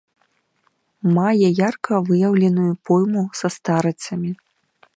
Мае ярка выяўленую пойму са старыцамі.